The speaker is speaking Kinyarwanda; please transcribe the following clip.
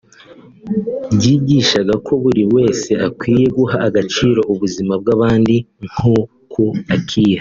ryigishaga ko buri wese akwiye guha agaciro ubuzima bw’abandi nk’uko akiha